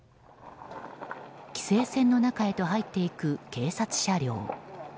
規制線の中へと入っていく警察車両。